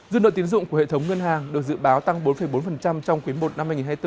dư nợ tiến dụng của hệ thống ngân hàng được dự báo tăng bốn bốn trong quý i năm hai nghìn hai mươi bốn